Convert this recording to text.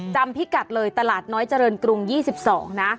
จำพิกัดเลยตลาดน้อยเจริญกรุง๒๒นะ